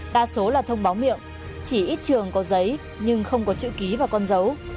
đa số là thông báo miệng chỉ ít trường có giấy nhưng không có chữ ký và con dấu